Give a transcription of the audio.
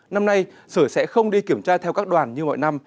năm nay sở sẽ không đi kiểm tra theo các đoàn như mọi năm